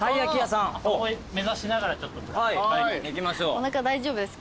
おなか大丈夫ですか？